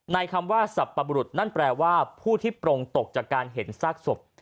คำว่าสับปรุษนั่นแปลว่าผู้ที่โปรงตกจากการเห็นซากศพ